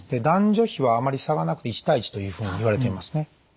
男女比はあまり差がなくて１対１というふうにいわれていますね。